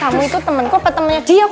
kamu itu temenku apa temennya dia